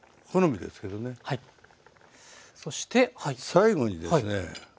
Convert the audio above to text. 最後にですね